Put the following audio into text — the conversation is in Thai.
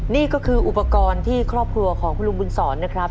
นี่ก็คืออุปกรณ์ที่ครอบครัวของคุณลุงบุญศรนะครับ